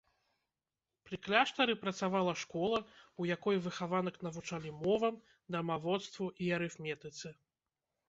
Пры кляштары працавала школа, у якой выхаванак навучалі мовам, дамаводству і арыфметыцы.